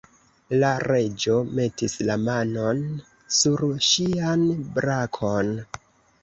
La Reĝo metis la manon sur ŝian brakon.